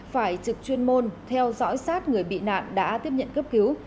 phải trực chuyên môn theo dõi sát người bị nạn đã tiếp nhận cấp cứu